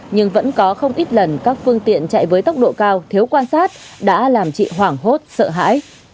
nhưng vẫn có không ít lần các phương tiện chạy với tốc độ cao thiếu quan sát đã làm chị hoảng hốt sợ hãi